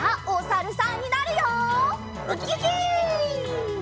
おさるさん。